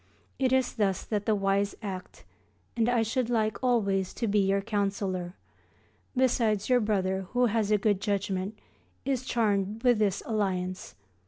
It is thus that the wise act, and I should like always to be your counsellor. Besides, your brother, who has a good judgment, is charmed with this alliance.